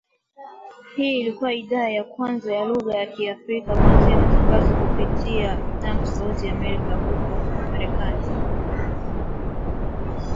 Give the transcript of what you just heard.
Hii ilikua idhaa ya kwanza ya lugha ya Kiafrika kuanzisha matangazo kupitia mitambo ya Sauti ya Amerika huko Marekani